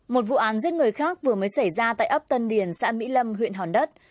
một vụ án giết người khác vừa mới xảy ra tại ấp tân điền xã mỹ lâm huyện hòn đất